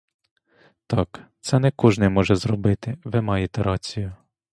Так, це не кожний може зробити, ви маєте рацію.